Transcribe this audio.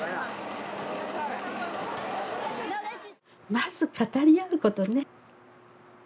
まず語り合うことね。